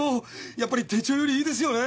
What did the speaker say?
やっぱり手帳よりいいですよね！